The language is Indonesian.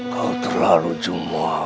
kau terlalu jumlah